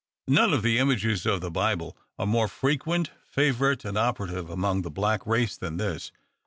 None of the images of the Bible are more frequent, favorite, and operative among the black race than this.